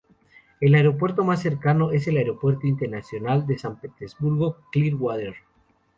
El aeropuerto más cercano es el Aeropuerto Internacional de San Petersburgo-Clearwater.